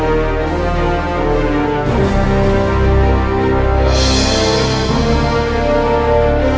aku harus melakukan sesuatu